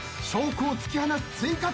北を突き放す追加点。